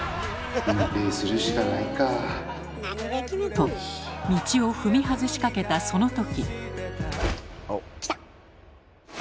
と道を踏み外しかけたその時。